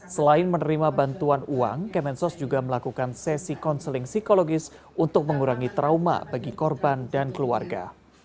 selain menerima bantuan uang kemensos juga melakukan sesi konseling psikologis untuk mengurangi trauma bagi korban dan keluarga